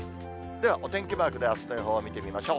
ではお天気マークであすの予報を見てみましょう。